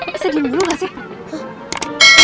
masa dulu gak sih